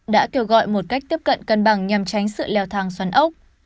đã kêu gọi một cách tiếp cận cân bằng nhằm tránh sự leo thang xoắn ốc